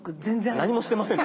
何もしてませんね